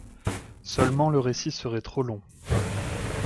Seulement le récit serait trop long.